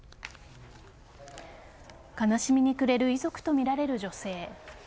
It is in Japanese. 悲しみに暮れる遺族とみられる女性。